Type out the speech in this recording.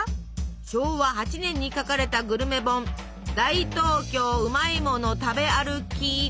昭和８年に書かれたグルメ本「大東京うまいもの食べある記」。